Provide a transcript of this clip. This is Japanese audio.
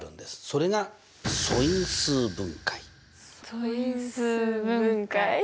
それが素因数分解。